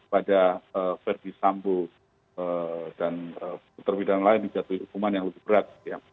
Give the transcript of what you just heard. pada verdi sambu dan peterbidana lain dijatuhi hukuman yang berat